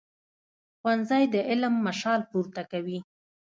ښوونځی د علم مشال پورته کوي